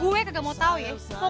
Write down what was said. gue kagak mau tau ya